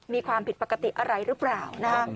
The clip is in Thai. มีความผิดปกติอะไรหรือเปล่านะ